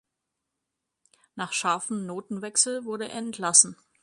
Nach scharfem Notenwechsel wurde er entlassen.